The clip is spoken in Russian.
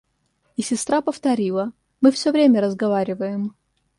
И сестра повторила: — Мы все время разговариваем.